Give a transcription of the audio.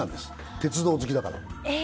鉄道好きだから。